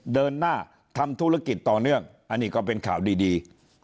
เดินหน้าทำธุรกิจต่อเนื่องอันนี้ก็เป็นข่าวดี